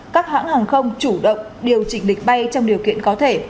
các hãng hàng không chủ động điều chỉnh địch bay trong điều kiện có thể